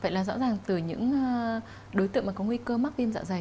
vậy là rõ ràng từ những đối tượng có nguy cơ mắc viêm dạ dày